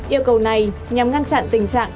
yêu cầu này nhằm ngăn chặn tình trạng